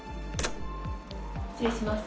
失礼します。